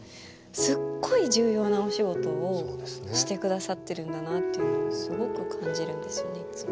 すっごい重要なお仕事をしてくださってるんだなっていうのをすごく感じるんですよねいっつも。